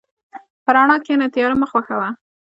په رڼا کښېنه، تیاره مه خوښه وه.